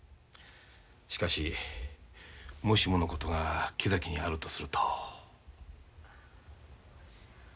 しかしもしものことが木崎にあるとすると。